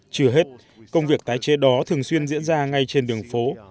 trừ hết công việc tái chế đó thường xuyên diễn ra ngay trên đường phố